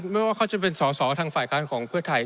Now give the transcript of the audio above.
ไม่ว่าเขาจะเป็นสอสอทางฝ่ายค้านของเพื่อไทย